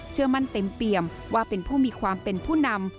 เชื่อมั่นเต็มเปี่ยมว่าเป็นผู้มีความเป็นผู้นำ